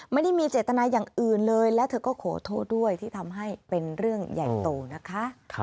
ไม่ได้มีเจตนาอย่างอื่นเลยและเธอก็ขอโทษด้วยที่ทำให้เป็นเรื่องใหญ่โตนะคะ